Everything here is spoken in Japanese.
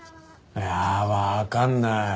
いやあわかんない。